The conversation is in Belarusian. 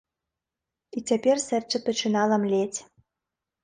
І цяпер сэрца пачынала млець.